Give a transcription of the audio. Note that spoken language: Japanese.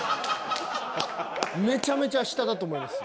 めちゃめちゃ下だと思います。